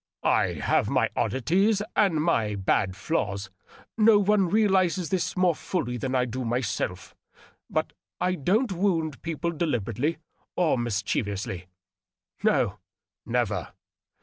I have my oddities and my bad flaws — no one realizes this more fully than I do myself; but I don't wound people deliberately or mischievously — no, never.